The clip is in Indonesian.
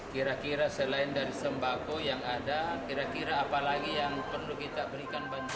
kira kira selain dari sembako yang ada kira kira apa lagi yang perlu kita berikan bantuan